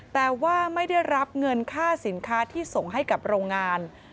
แต่ว่าไม่ได้รับเงินค่าสินค้าที่ส่งให้กับโรงงาน